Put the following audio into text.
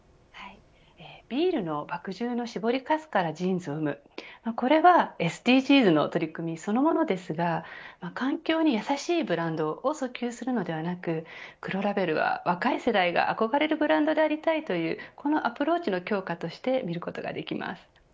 ビールの麦汁の搾りかすからジーンズを生むこれはＳＤＧｓの取り組みそのものですが環境にやさしいブランドをそきゅうするのではなく黒ラベルは若い世代が憧れるブランドでありたいというこのアプローチの強化として見ることができます。